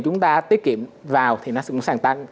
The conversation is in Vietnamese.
chúng ta tiết kiệm vào thì nó cũng